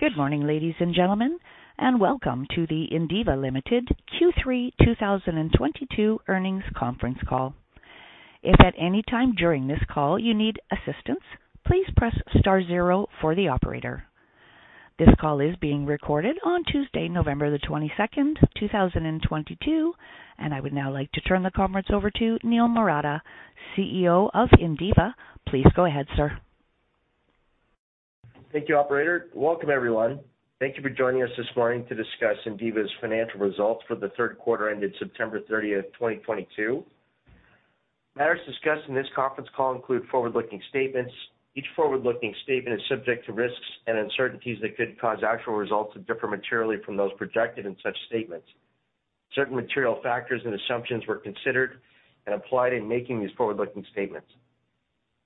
Good morning, ladies and gentlemen, and welcome to the Indiva Limited Q3 2022 earnings conference call. If at any time during this call you need assistance, please press star zero for the operator. This call is being recorded on Tuesday, November 22nd, 2022. I would now like to turn the conference over to Niel Marotta, CEO of Indiva. Please go ahead, sir. Thank you, Operator. Welcome, everyone. Thank you for joining us this morning to discuss Indiva's financial results for the 3rd quarter ended September 30th, 2022. Matters discussed in this conference call include forward-looking statements. Each forward-looking statement is subject to risks and uncertainties that could cause actual results to differ materially from those projected in such statements. Certain material factors and assumptions were considered and applied in making these forward-looking statements.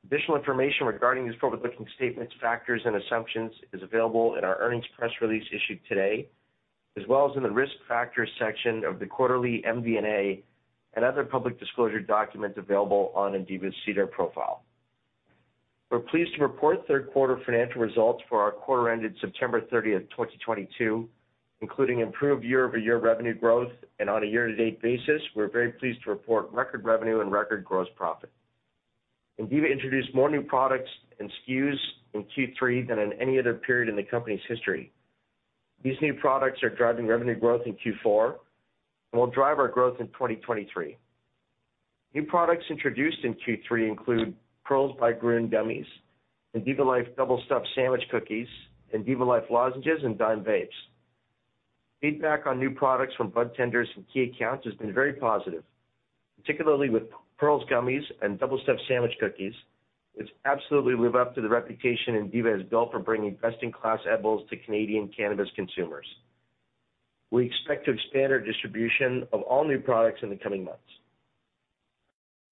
Additional information regarding these forward-looking statements, factors, and assumptions is available in our earnings press release issued today, as well as in the Risk Factors section of the quarterly MD&A and other public disclosure documents available on Indiva's SEDAR+ profile. We're pleased to report 3rd quarter financial results for our quarter ended September 30, 2022, including improved year-over-year revenue growth. On a year-to-date basis, we're very pleased to report record revenue and record gross profit. Indiva introduced more new products and SKUs in Q3 than in any other period in the company's history. These new products are driving revenue growth in Q4 and will drive our growth in 2023. New products introduced in Q3 include Pearls by Grön gummies, Indiva Life Double Stuffed Sandwich Cookies, Indiva Life lozenges, and Dime vapes. Feedback on new products from budtenders and key accounts has been very positive, particularly with Pearls gummies and Double Stuffed Sandwich Cookies, which absolutely live up to the reputation Indiva has built for bringing best-in-class edibles to Canadian cannabis consumers. We expect to expand our distribution of all new products in the coming months.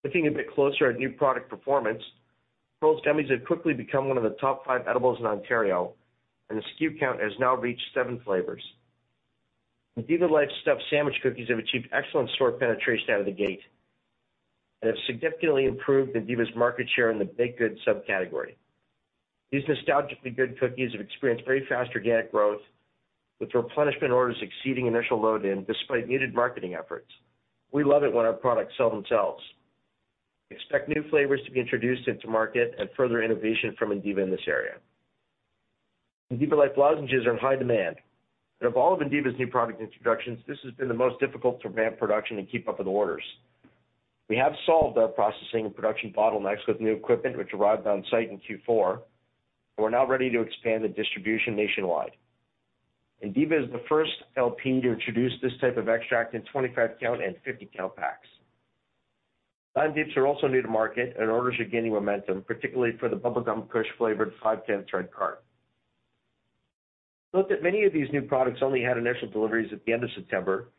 Looking a bit closer at new product performance, Pearls gummies have quickly become one of the top five edibles in Ontario, and the SKU count has now reached 7 flavors. Indiva Life Stuffed Sandwich Cookies have achieved excellent store penetration out of the gate and have significantly improved Indiva's market share in the baked goods subcategory. These nostalgically good cookies have experienced very fast organic growth, with replenishment orders exceeding initial load-in despite muted marketing efforts. We love it when our products sell themselves. Expect new flavors to be introduced into market and further innovation from Indiva in this area. Indiva Life lozenges are in high demand. Of all of Indiva's new product introductions, this has been the most difficult to ramp production and keep up with orders. We have solved our processing and production bottlenecks with new equipment which arrived on site in Q4. We're now ready to expand the distribution nationwide. Indiva is the first LP to introduce this type of extract in 25 count and 50 count packs. Dime vapes are also new to market, orders are gaining momentum, particularly for the Bubblegum Kush flavored 510-thread cart. Note that many of these new products only had initial deliveries at the end of September,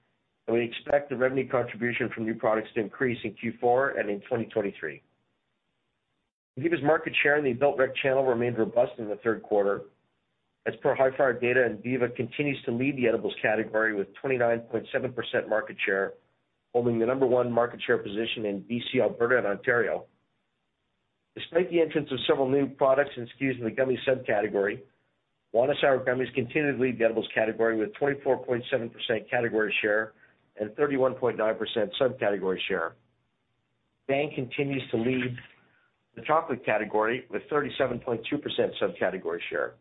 we expect the revenue contribution from new products to increase in Q4 and in 2023. Indiva's market share in the adult rec channel remained robust in the third quarter. As per Hifyre data, Indiva continues to lead the edibles category with 29.7% market share, holding the number one market share position in BC, Alberta, and Ontario. Despite the entrance of several new products and SKUs in the gummies subcategory, Wana sour gummies continue to lead the edibles category with 24.7% category share and 31.9% subcategory share. Bhang continues to lead the chocolate category with 37.2% subcategory share.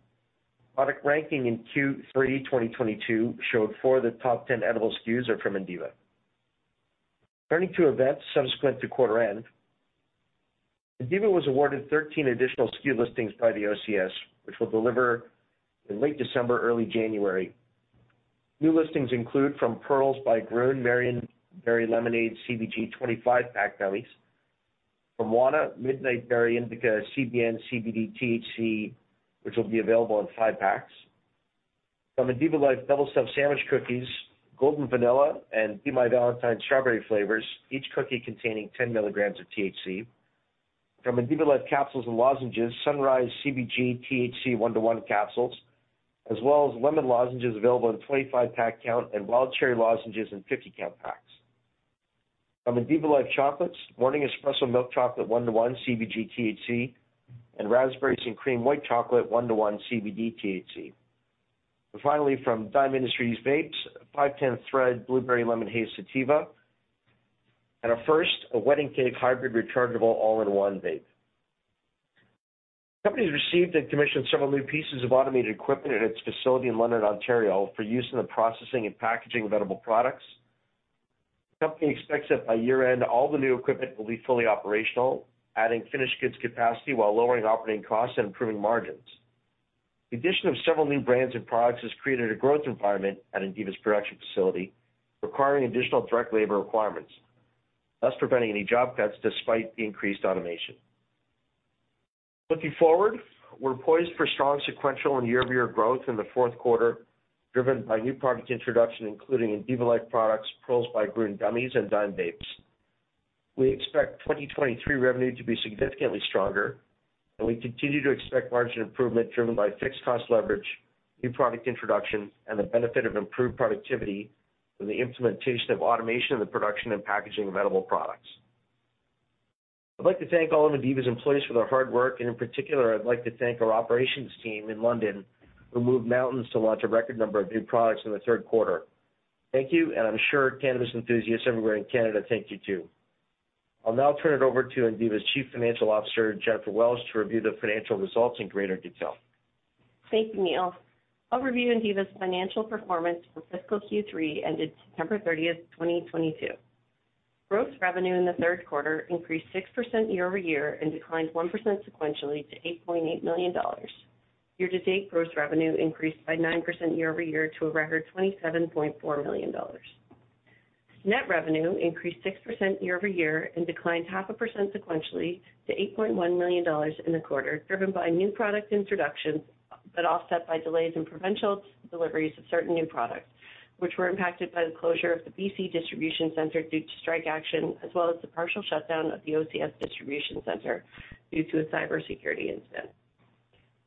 Product ranking in Q3 2022 showed 4 of the top 10 edible SKUs are from Indiva. Turning to events subsequent to quarter end, Indiva was awarded 13 additional SKU listings by the OCS, which will deliver in late December, early January. New listings include from Pearls by Grön, Marionberry Lemonade CBG 25-pack Jellies. From Wana, Midnight Berry Indica CBN, CBD, THC, which will be available in 5-packs. From Indiva Life Double Stuffed Sandwich Cookies, Golden Vanilla and Be My Valentine Strawberry flavors, each cookie containing 10 milligrams of THC. From Indiva Life capsules and lozenges, Sunrise CBG, THC 1:1 capsules, as well as lemon lozenges available in a 25-pack count and wild cherry lozenges in 50-count packs. From Indiva Life chocolates, Morning Espresso Milk Chocolate 1:1 CBG, THC, and Raspberries and Cream White Chocolate 1:1 CBD, THC. Finally, from Dime Industries vapes, 510-thread Blueberry Lemon Haze Sativa, and a first, a Wedding Cake Hybrid rechargeable all-in-one vape. Company's received and commissioned several new pieces of automated equipment at its facility in London, Ontario for use in the processing and packaging of edible products. Company expects that by year-end, all the new equipment will be fully operational, adding finished goods capacity while lowering operating costs and improving margins. The addition of several new brands and products has created a growth environment at Indiva's production facility, requiring additional direct labor requirements, thus preventing any job cuts despite the increased automation. Looking forward, we're poised for strong sequential and year-over-year growth in the fourth quarter, driven by new product introduction, including Indiva Life products, Pearls by Grön gummies, and Dime vapes. We expect 2023 revenue to be significantly stronger, and we continue to expect margin improvement driven by fixed cost leverage, new product introduction, and the benefit of improved productivity from the implementation of automation in the production and packaging of edible products. I'd like to thank all of Indiva's employees for their hard work. In particular, I'd like to thank our operations team in London, who moved mountains to launch a record number of new products in the third quarter. Thank you. I'm sure cannabis enthusiasts everywhere in Canada thank you too. I'll now turn it over to Indiva's Chief Financial Officer, Jennifer Welsh, to review the financial results in greater detail. Thank you, Niel. I'll review Indiva's financial performance for fiscal Q3 ended September 30th, 2022. Gross revenue in the third quarter increased 6% year-over-year and declined 1% sequentially to 8.8 million dollars. Year-to-date gross revenue increased by 9% year-over-year to a record 27.4 million dollars. Net revenue increased 6% year-over-year and declined 0.5% sequentially to 8.1 million dollars in the quarter, driven by new product introductions, but offset by delays in provincial deliveries of certain new products, which were impacted by the closure of the BC distribution center due to strike action, as well as the partial shutdown of the OCS distribution center due to a cybersecurity incident.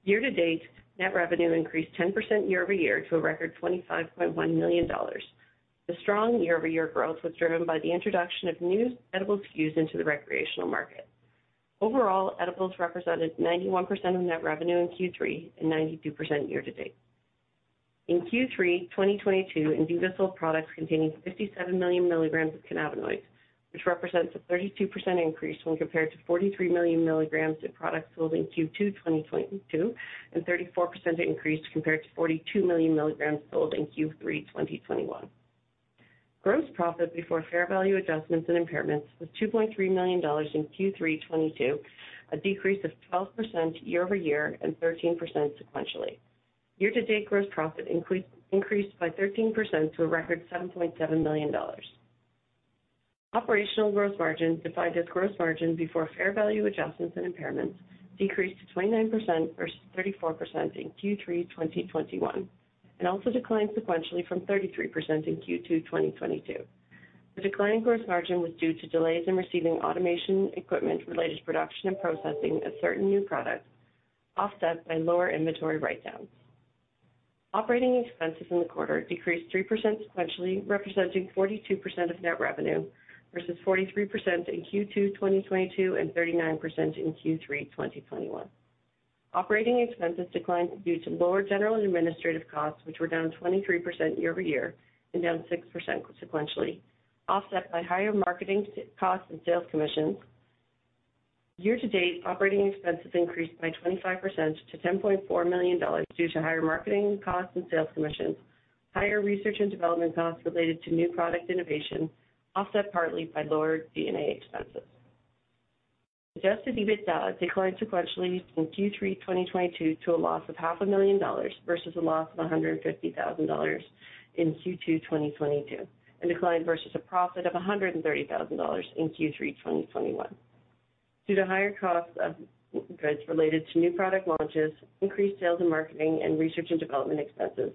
Year-to-date, net revenue increased 10% year-over-year to a record 25.1 million dollars. The strong year-over-year growth was driven by the introduction of new edibles SKUs into the recreational market. Overall, edibles represented 91% of net revenue in Q3 and 92% year-to-date. In Q3 2022, Indiva sold products containing 57 million milligrams of cannabinoids, which represents a 32% increase when compared to 43 million milligrams of products sold in Q2 2022, and 34% increase compared to 42 million milligrams sold in Q3 2021. Gross profit before fair value adjustments and impairments was 2.3 million dollars in Q3 2022, a decrease of 12% year-over-year and 13% sequentially. Year-to-date gross profit increased by 13% to a record 7.7 million dollars. Operational gross margin, defined as gross margin before fair value adjustments and impairments, decreased to 29% versus 34% in Q3 2021, and also declined sequentially from 33% in Q2 2022. The decline in gross margin was due to delays in receiving automation equipment related to production and processing of certain new products, offset by lower inventory write-downs. Operating expenses in the quarter decreased 3% sequentially, representing 42% of net revenue versus 43% in Q2 2022 and 39% in Q3 2021. Operating expenses declined due to lower general and administrative costs, which were down 23% year-over-year and down 6% sequentially, offset by higher marketing costs and sales commissions. Year-to-date, operating expenses increased by 25% to 10.4 million dollars due to higher marketing costs and sales commissions, higher research and development costs related to new product innovation, offset partly by lower D&A expenses. Adjusted EBITDA declined sequentially from Q3 2022 to a loss of half a million dollars versus a loss of 150,000 dollars in Q2 2022, and declined versus a profit of 130,000 dollars in Q3 2021. Due to higher costs of goods related to new product launches, increased sales and marketing and research and development expenses,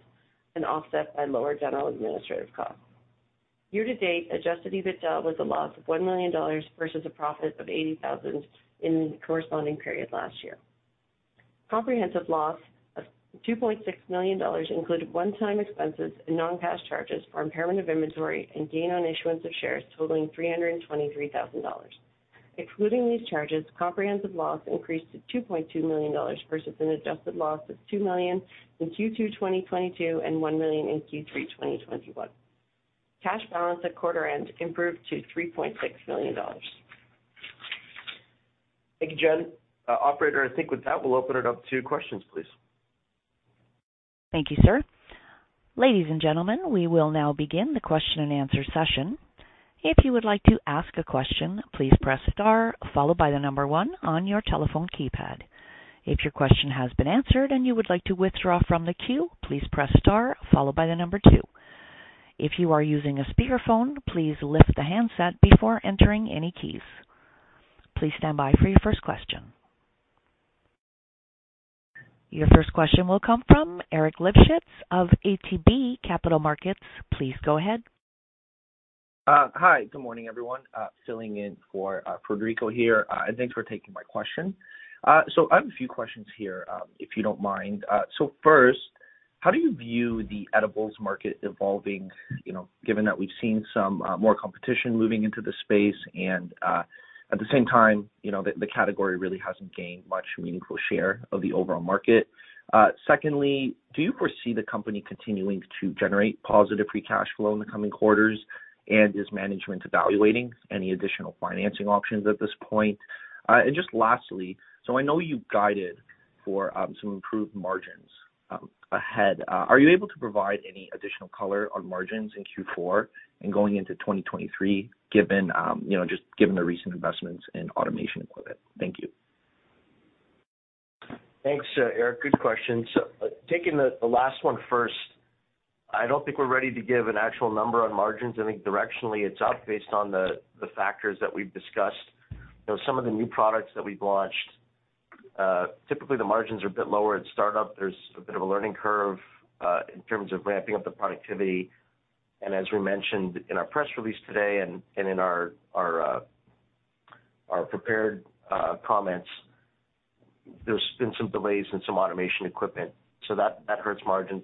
and offset by lower general administrative costs. Year-to-date, adjusted EBITDA was a loss of 1 million dollars versus a profit of 80,000 in the corresponding period last year. Comprehensive loss of 2.6 million dollars included one-time expenses and non-cash charges for impairment of inventory and gain on issuance of shares totaling 323,000 dollars. Excluding these charges, comprehensive loss increased to 2.2 million dollars versus an adjusted loss of 2 million in Q2 2022 and 1 million in Q3 2021. Cash balance at quarter end improved to 3.6 million dollars. Thank you, Jen. operator, I think with that, we'll open it up to questions, please. Thank you, sir. Ladies and gentlemen, we will now begin the question-and-answer session. If you would like to ask a question, please press star followed by the number one on your telephone keypad. If your question has been answered and you would like to withdraw from the queue, please press star followed by the number two. If you are using a speakerphone, please lift the handset before entering any keys. Please stand by for your first question. Your first question will come from Eric Livshits of ATB Capital Markets. Please go ahead. Hi. Good morning, everyone. Filling in for Frederico here. Thanks for taking my question. I have a few questions here, if you don't mind. First, how do you view the edibles market evolving, you know, given that we've seen some more competition moving into the space and, at the same time, you know, the category really hasn't gained much meaningful share of the overall market? Secondly, do you foresee the company continuing to generate positive free cash flow in the coming quarters? Is management evaluating any additional financing options at this point? Just lastly, I know you guided for some improved margins ahead. Are you able to provide any additional color on margins in Q4 and going into 2023, given, you know, just given the recent investments in automation equipment? Thank you. Thanks, Eric. Good question. Taking the last one first, I don't think we're ready to give an actual number on margins. I think directionally it's up based on the factors that we've discussed. You know, some of the new products that we've launched, typically the margins are a bit lower at startup. There's a bit of a learning curve in terms of ramping up the productivity. As we mentioned in our press release today and in our prepared comments, there's been some delays in some automation equipment, so that hurts margins.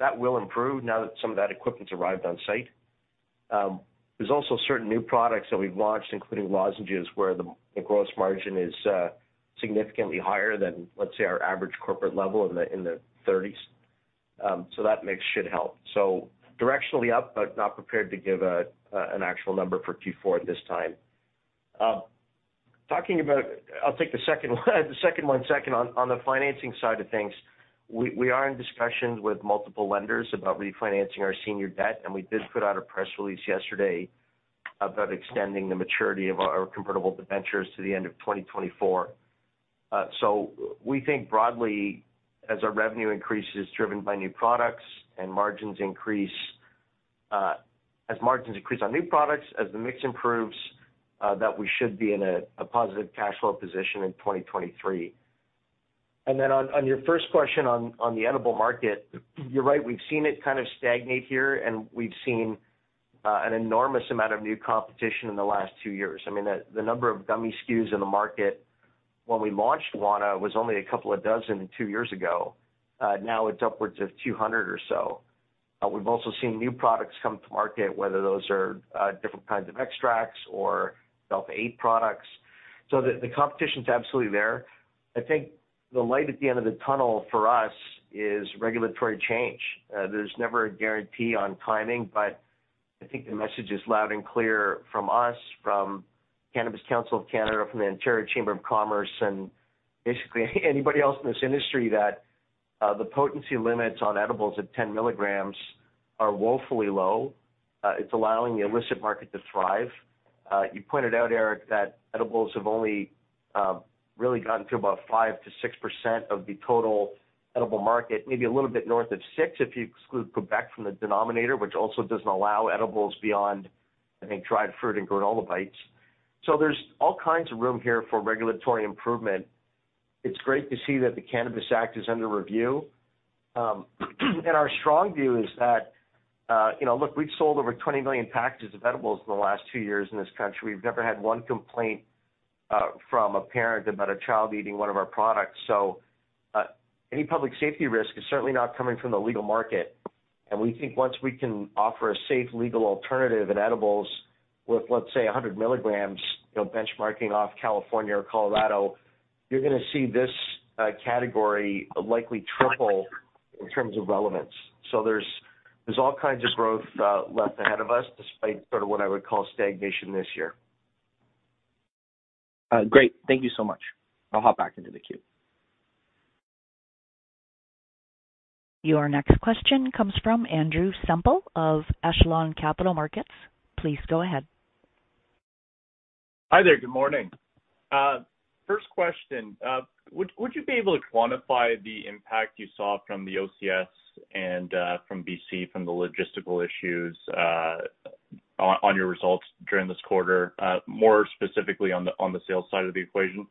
That will improve now that some of that equipment's arrived on site. There's also certain new products that we've launched, including lozenges, where the gross margin is significantly higher than, let's say, our average corporate level in the thirties. That mix should help. Directionally up, but not prepared to give an actual number for Q4 at this time. I'll take the second one second. On the financing side of things, we are in discussions with multiple lenders about refinancing our senior debt, and we did put out a press release yesterday about extending the maturity of our convertible debentures to the end of 2024. We think broadly, as our revenue increases, driven by new products and margins increase, as margins increase on new products, as the mix improves, that we should be in a positive cash flow position in 2023. On, on your first question on the edible market, you're right, we've seen it kind of stagnate here, and we've seen an enormous amount of new competition in the last two years. I mean, the number of gummy SKUs in the market when we launched Wana was only a couple of dozen two years ago. Now it's upwards of 200 or so. We've also seen new products come to market, whether those are different kinds of extracts or delta-8 products. The, the competition's absolutely there. I think the light at the end of the tunnel for us is regulatory change. There's never a guarantee on timing, I think the message is loud and clear from us, from Cannabis Council of Canada, from the Ontario Chamber of Commerce, and basically anybody else in this industry that the potency limits on edibles at 10 milligrams are woefully low. It's allowing the illicit market to thrive. You pointed out, Eric, that edibles have only really gotten to about 5%-6% of the total edible market, maybe a little bit north of 6, if you exclude Quebec from the denominator, which also doesn't allow edibles beyond, I think, dried fruit and granola bites. There's all kinds of room here for regulatory improvement. It's great to see that the Cannabis Act is under review. Our strong view is that we've sold over 20 million packages of edibles in the last 2 years in this country. We've never had 1 complaint from a parent about a child eating one of our products. Any public safety risk is certainly not coming from the legal market. We think once we can offer a safe, legal alternative in edibles with 100 milligrams, benchmarking off California or Colorado, you're gonna see this category likely triple in terms of relevance. There's all kinds of growth left ahead of us, despite sort of what I would call stagnation this year. Great. Thank you so much. I'll hop back into the queue. Your next question comes from Andrew Semple of Echelon Capital Markets. Please go ahead. Hi there. Good morning. First question. Would you be able to quantify the impact you saw from the OCS and, from BC, from the logistical issues, on your results during this quarter, more specifically on the sales side of the equation?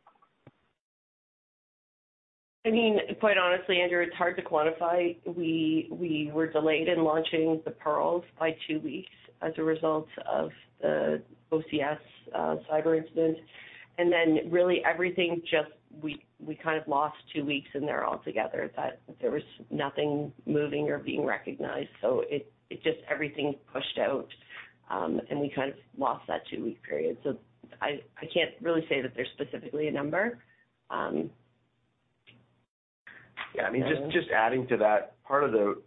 I mean, quite honestly, Andrew, it's hard to quantify. We were delayed in launching the Pearls by 2 weeks as a result of the OCS cyber incident. Then really everything just. We kind of lost 2 weeks in there altogether that there was nothing moving or being recognized. It just, everything pushed out, and we kind of lost that 2-week period. I can't really say that there's specifically a number. Yeah, I mean, just adding to that. Part of the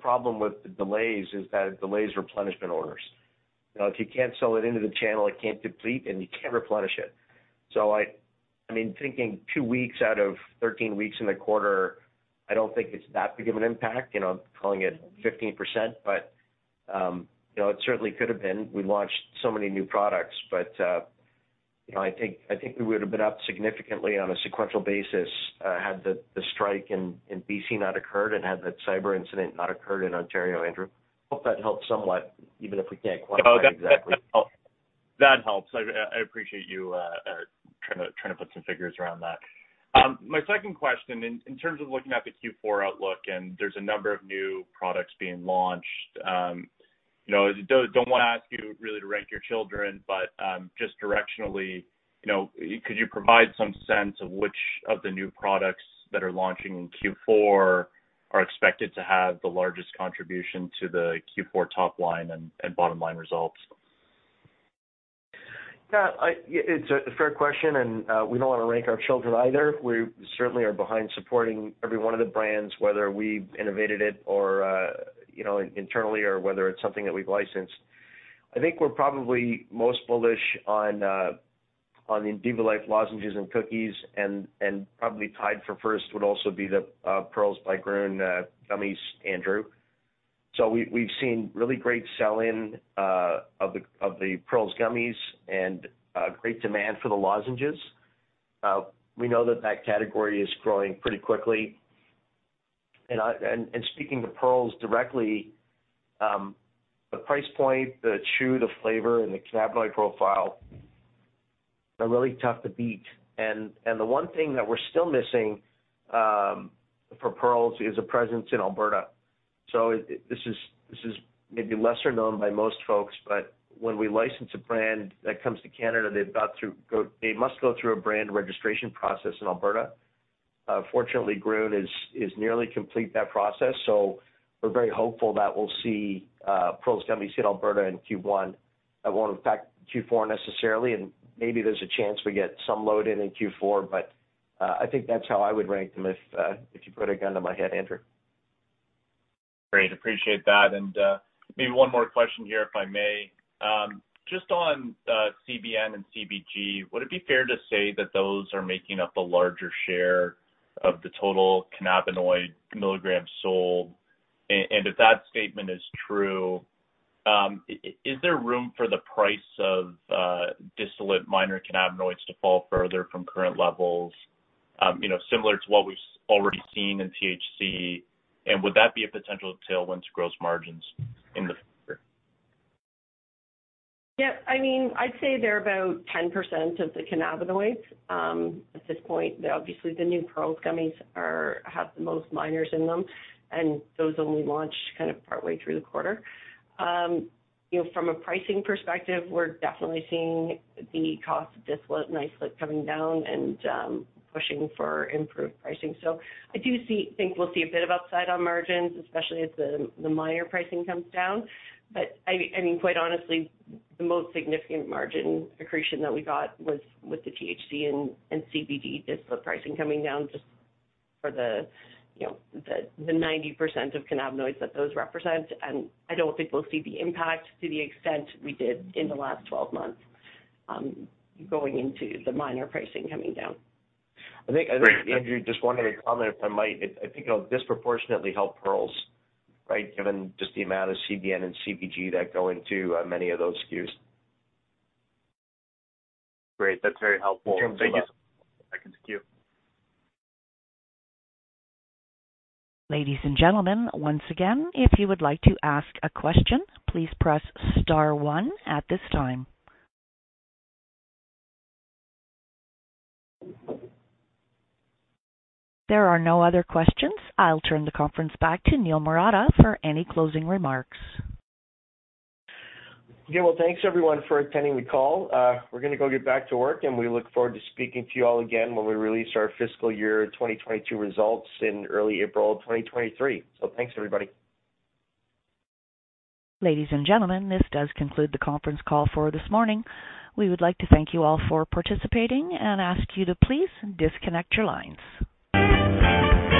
problem with the delays is that it delays replenishment orders. You know, if you can't sell it into the channel, it can't deplete, and you can't replenish it. I mean, thinking two weeks out of 13 weeks in the quarter, I don't think it's that big of an impact. You know, I'm calling it 15%, but, you know, it certainly could have been. We launched so many new products. You know, I think we would have been up significantly on a sequential basis had the strike in BC not occurred and had that cyber incident not occurred in Ontario, Andrew. Hope that helps somewhat, even if we can't quantify exactly. Oh, that helps. I appreciate you trying to put some figures around that. My second question, in terms of looking at the Q4 outlook, there's a number of new products being launched, you know, I don't wanna ask you really to rank your children, but just directionally, you know, could you provide some sense of which of the new products that are launching in Q4 are expected to have the largest contribution to the Q4 top line and bottom line results? It's a fair question, we don't wanna rank our children either. We certainly are behind supporting every one of the brands, whether we innovated it or, you know, internally or whether it's something that we've licensed. I think we're probably most bullish on the Indiva Life lozenges and cookies, and probably tied for first would also be the Pearls by Grön gummies, Andrew. We've seen really great sell-in of the Pearls gummies and great demand for the lozenges. We know that that category is growing pretty quickly. Speaking to Pearls directly, the price point, the chew, the flavor, and the cannabinoid profile are really tough to beat. The one thing that we're still missing for Pearls is a presence in Alberta. This is maybe lesser known by most folks, but when we license a brand that comes to Canada, they must go through a brand registration process in Alberta. Fortunately, Grön is nearly complete that process. We're very hopeful that we'll see Pearls gummies in Alberta in Q1. It won't impact Q4 necessarily, and maybe there's a chance we get some load in in Q4, but I think that's how I would rank them if you put a gun to my head, Andrew. Great. Appreciate that. Maybe one more question here, if I may. Just on CBN and CBG, would it be fair to say that those are making up a larger share of the total cannabinoid milligrams sold? If that statement is true, is there room for the price of distillate minor cannabinoids to fall further from current levels, you know, similar to what we've already seen in THC? Would that be a potential tailwind to gross margins in the future? Yeah, I mean, I'd say they're about 10% of the cannabinoids, at this point. Obviously, the new Pearls gummies have the most minors in them, and those only launched kind of partway through the quarter. You know, from a pricing perspective, we're definitely seeing the cost of distillate and isolate coming down and, pushing for improved pricing. I do think we'll see a bit of upside on margins, especially as the minor pricing comes down. But I mean, quite honestly, the most significant margin accretion that we got was with the THC and CBD distillate pricing coming down just for the, you know, the 90% of cannabinoids that those represent. I don't think we'll see the impact to the extent we did in the last 12 months, going into the minor pricing coming down. Great. I think, Andrew, just one other comment, if I might. I think it'll disproportionately help Pearls, right? Given just the amount of CBN and CBG that go into many of those SKUs. Great. That's very helpful. Thank you. Back into queue. Ladies and gentlemen, once again, if you would like to ask a question, please press star one at this time. There are no other questions. I'll turn the conference back to Niel Marotta for any closing remarks. Yeah. Well, thanks everyone for attending the call. We're gonna go get back to work, and we look forward to speaking to you all again when we release our fiscal year 2022 results in early April of 2023. Thanks, everybody. Ladies and gentlemen, this does conclude the conference call for this morning. We would like to thank you all for participating and ask you to please disconnect your lines.